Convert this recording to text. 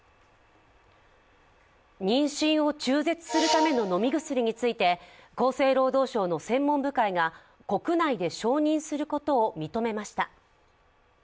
妊娠を中絶するための飲み薬について厚生労働省の専門部会が国内で承認することを認めました。